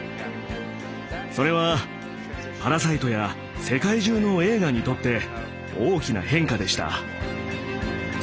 それは「パラサイト」や世界中の映画にとって大きな変化でした。